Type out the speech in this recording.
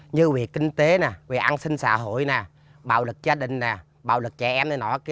như về kinh tế về an sinh xã hội bạo lực gia đình bạo lực trẻ em